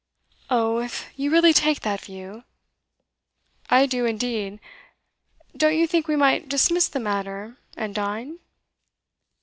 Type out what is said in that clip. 'Oh, if you really take that view ' 'I do indeed. Don't you think we might dismiss the matter, and dine?